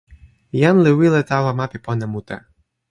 jan li wile tawa ma pi pona mute.